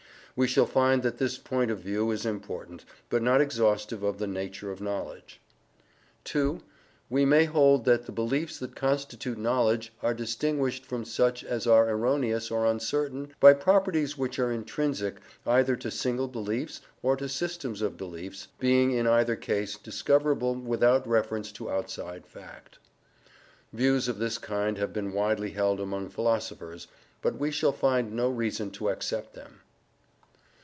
We shall find that this point of view is important, but not exhaustive of the nature of knowledge. II. We may hold that the beliefs that constitute knowledge are distinguished from such as are erroneous or uncertain by properties which are intrinsic either to single beliefs or to systems of beliefs, being in either case discoverable without reference to outside fact. Views of this kind have been widely held among philosophers, but we shall find no reason to accept them.